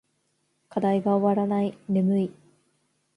課題が終わらない。眠い。